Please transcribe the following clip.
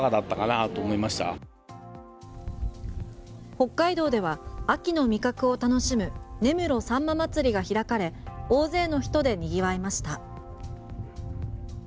北海道では秋の味覚を楽しむ根室さんま祭りが開かれ大勢の人でにぎわいました。